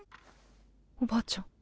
おばあちゃん。